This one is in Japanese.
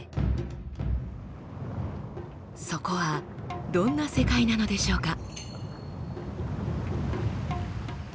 そこはどんな世界なのでしょうか？